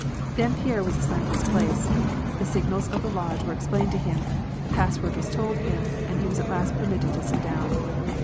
Then Pierre was assigned his place ; the signals of the Lodge were explained to him ; the password was told him, and he was at last permitted to sit down.